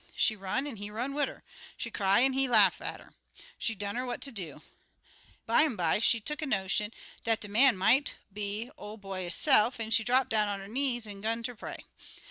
She run an' he run wid 'er. She cry an' he laugh at 'er. She dunner what to do. Bimeby she tuck a notion dat de man mought be de Ol' Boy hisse'f, an' she dropped down on her knees an' 'gun ter pray.